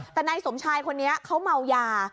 แต่นายสมชายคนนี้เขาเมายา